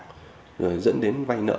rồi dẫn đến vai nợ